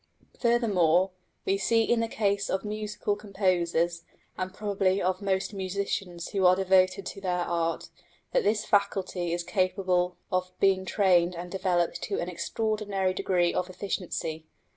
Furthermore, we see in the case of musical composers, and probably of most musicians who are devoted to their art, that this faculty is capable of being trained and developed to an extraordinary degree of efficiency.